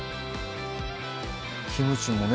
キムチもね